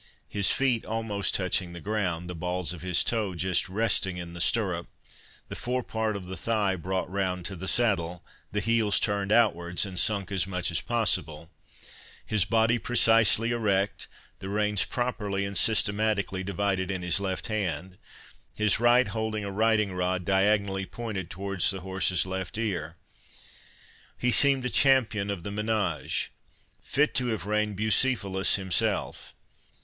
His feet almost touching the ground, the ball of his toe just resting in the stirrup,—the forepart of the thigh brought round to the saddle,—the heels turned outwards, and sunk as much as possible,—his body precisely erect,—the reins properly and systematically divided in his left hand, his right holding a riding rod diagonally pointed towards the horse's left ear,—he seemed a champion of the manege, fit to have reined Bucephalus himself.